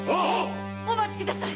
お待ちください！